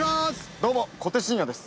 どうも、小手伸也です。